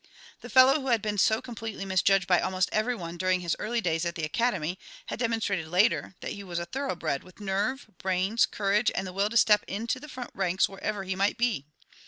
The fellow who had been so completely misjudged by almost everyone during his early days at the academy, had demonstrated later that he was a thoroughbred, with nerve, brains, courage and the will to step into the front ranks wherever he might be.